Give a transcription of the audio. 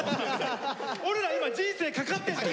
俺ら今人生かかってんだよ！